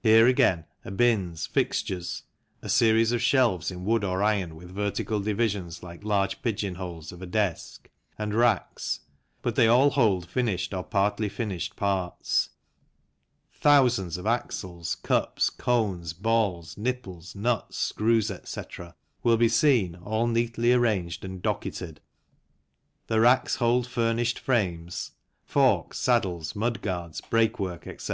Here, again, are bins, fixtures (a series of shelves in wood or iron with vertical divisions like large pigeon holes of a desk), and racks, but they all hold finished or partly finished parts. Thousands of axles, cups, cones, balls, nipples, nuts, screws, etc., will be seen all neatly arranged and docketed, the racks hold finished frames, forks, saddles, mudguards, brake work, etc.